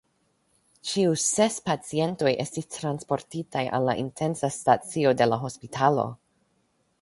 Ĉiu ses pacientoj estis transportitaj al la intensa stacio de la hospitalo.